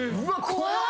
怖い！